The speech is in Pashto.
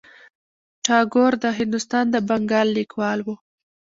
ټاګور د هندوستان د بنګال لیکوال و.